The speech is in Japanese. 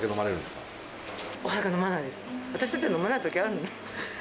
私だって飲まない時あるのよ